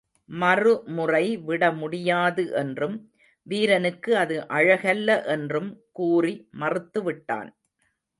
மறுமுறை விடமுடியாது என்றும், வீரனுக்கு அது அழகல்ல என்றும் கூறி மறுத்து விட்டான்.